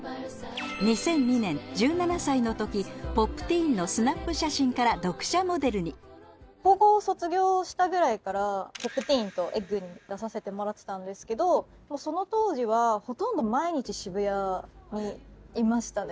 ２００２年１７歳の時「Ｐｏｐｔｅｅｎ」のスナップ写真から読者モデルに高校を卒業したぐらいから「Ｐｏｐｔｅｅｎ」と「ｅｇｇ」に出させてもらってたんですけどその当時はほとんど毎日渋谷にいましたね